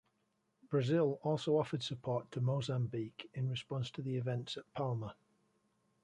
Brazil also offered support to Mozambique in response to the events at Palma.